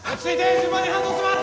順番に搬送します